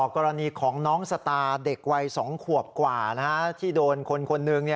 กรณีของน้องสตาเด็กวัย๒ขวบกว่าที่โดนคนคนหนึ่ง